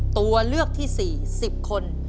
ตัวเลือกที่๔๐คน